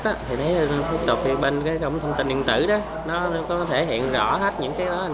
tổ tục bên thông tin điện tử nó có thể hiện rõ hết những cái đó